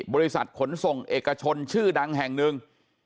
บริษัทขนส่งเอกชนชื่อดังแห่งหนึ่ง